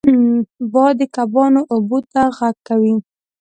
باد د کبانو اوبو ته غږ کوي